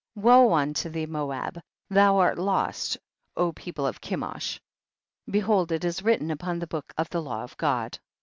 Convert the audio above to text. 20. Woe unto thee Moab ! thou art lost, people of Kemosh ! behold it is wTitten upon the book of the law of God.